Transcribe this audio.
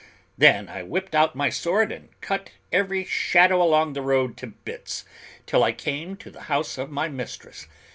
Then I whipped out my sword and cut every shadow along the road to bits, till I came to the house of my mistress.